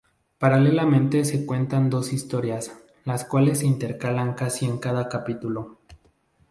Paralelamente se cuentan dos historias, las cuales se intercalan casi en cada capítulo.